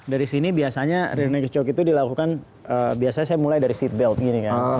dari sini biasanya rear neck choke itu dilakukan biasanya saya mulai dari seatbelt gini ya